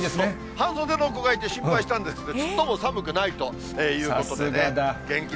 半袖の子がいて心配したんですけどちっとも寒くないというこさすがだ。